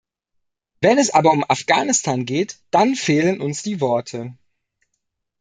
Wenn es aber um Afghanistan geht, dann fehlen uns die Worte.